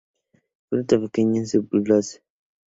Fruto pequeño, subgloboso.